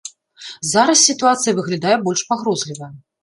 Зараз сітуацыя выглядае больш пагрозліва.